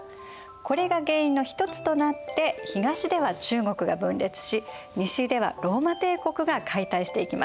これが原因の一つとなって東では中国が分裂し西ではローマ帝国が解体していきます。